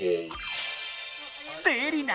セリナ！